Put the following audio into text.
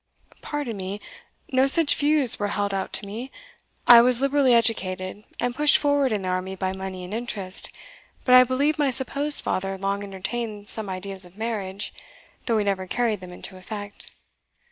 "Pardon me no such views were held out to me. I was liberally educated, and pushed forward in the army by money and interest; but I believe my supposed father long entertained some ideas of marriage, though he never carried them into effect."